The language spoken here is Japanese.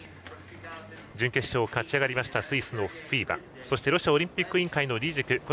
準決勝を勝ち上がりましたスイスのフィーバそしてロシアオリンピック委員会リジク。